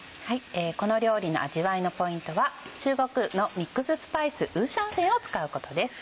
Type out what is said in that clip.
この料理の味わいのポイントは中国のミックススパイス五香粉を使うことです。